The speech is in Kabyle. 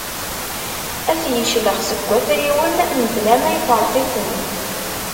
Ad t-iclex seg wafriwen mebla ma iferq-iten.